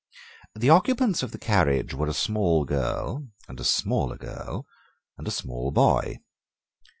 The occupants of the carriage were a small girl, and a smaller girl, and a small boy.